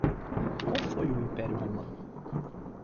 Qual foi o império romano?